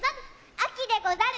あきでござる！